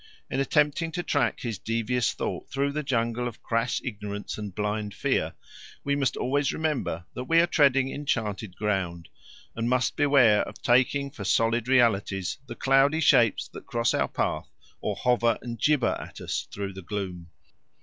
In attempting to track his devious thought through the jungle of crass ignorance and blind fear, we must always remember that we are treading enchanted ground, and must beware of taking for solid realities the cloudy shapes that cross our path or hover and gibber at us through the gloom.